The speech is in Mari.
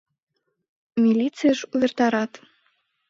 Милицийыш увертарат.